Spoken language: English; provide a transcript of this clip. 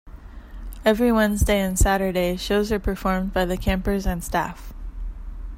Every Wednesday and Saturday shows are performed by the campers and staff.